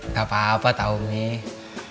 gapapa tau mie